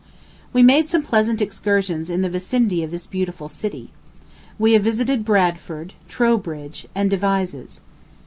We made some pleasant excursions in the vicinity of this beautiful city. We have visited Bradford, Trowbridge, and Devizes.